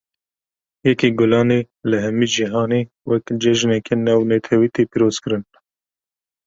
Yekê Gulanê, li hemî cihanê wek cejneke navnetewî tê pîroz kirin